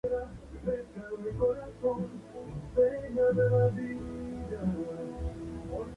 Al igual que otros ornamentos litúrgicos no fue abolida, pero cayó en desuso.